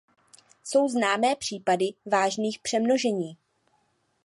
Jsou známé případy vážných přemnožení.